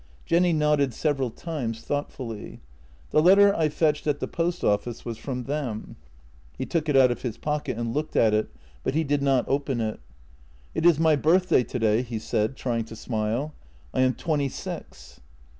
Jenny nodded several times thoughtfully. " The letter I fetched at the post office was from them." He took it out of his pocket and looked at it, but he did not open it. " It is my birthday today," he said, trying to smile. " I am twenty six."